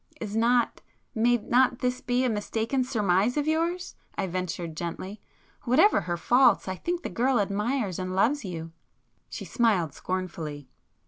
"Is not——may not this be a mistaken surmise of yours?" [p 198] I ventured gently—"Whatever her faults, I think the girl admires and loves you." She smiled scornfully.